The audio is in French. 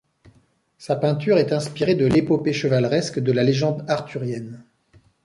Sa peinture est inspirée de l'épopée chevaleresque de la légende arthurienne.